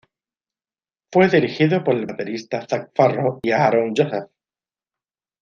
Fue dirigido por el baterista Zac Farro y Aaron Joseph.